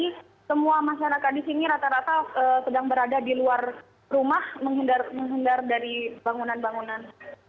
jadi semua masyarakat di sini rata rata sedang berada di luar rumah menghindar dari bangunan bangunan